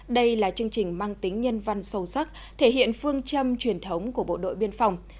đây là chương trình mang tính nhân văn sâu sắc thể hiện phương châm truyền thống của bộ đội biên phòng